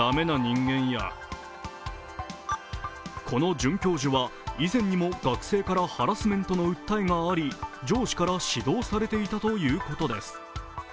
この准教授は以前にも学生からハラスメントの訴えがあり、上司から指導されていたということです。